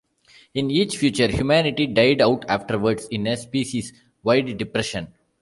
In each future humanity died out afterwards, in a species-wide depression.